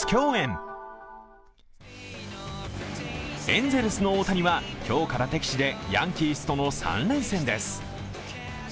エンゼルスの大谷は今日から敵地でヤンキースとの３連戦です。